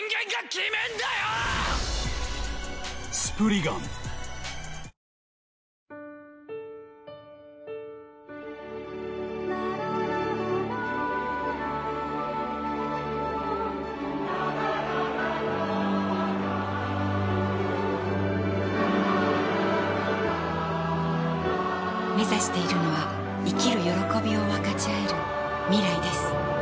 ラララめざしているのは生きる歓びを分かちあえる未来です